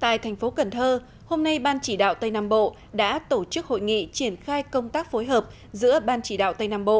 tại tp cn hôm nay ban chỉ đạo tây nam bộ đã tổ chức hội nghị triển khai công tác phối hợp giữa ban chỉ đạo tây nam bộ